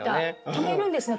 止めるんですね